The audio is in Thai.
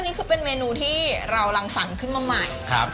นี่คือเป็นเมนูที่เรารังสรรค์ขึ้นมาใหม่ครับ